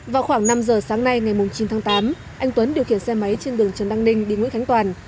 vào khoảng năm giờ sáng nay ngày chín tháng tám anh tuấn điều khiển xe máy trên đường trần đăng ninh đi nguyễn khánh toàn